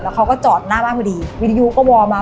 แล้วเขาก็จอดหน้าบ้านมาดีวิดีโยคก็วอลมา